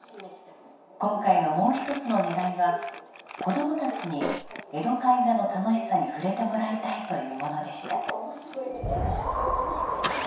今回のもう一つのねらいは子供たちに江戸絵画の楽しさに触れてもらいたいというものでした。